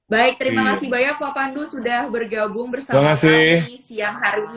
baik terima kasih banyak pak pandu sudah bergabung bersama kami di siang hari ini